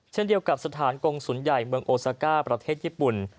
เช่นเดียวกับสถานกงศูนย์ใหญ่เมืองโอซาก้าประเทศญี่ปุ่น